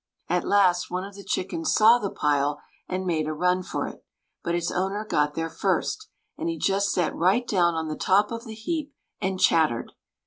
At last one of the chickens saw the pile and made a run for it, but its owner got there first, and he just sat right down on the top of the heap and chattered.